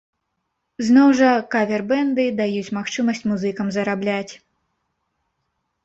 Зноў жа, кавер-бэнды даюць магчымасць музыкам зарабляць.